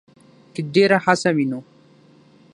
کې ډېره هڅه وينو